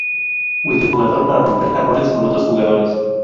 Multijugador para romper jarrones con otros jugadores.